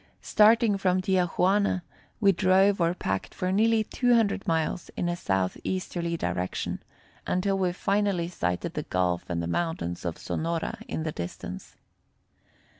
Starting from Tia Juana, we drove or packed for nearly 200 miles in a southeasterly direction, until we finally sighted the Gulf and the mountains of Sonora in the distance.